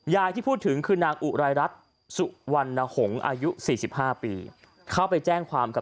ที่พูดถึงคือนางอุรายรัฐสุวรรณหงษ์อายุ๔๕ปีเข้าไปแจ้งความกับ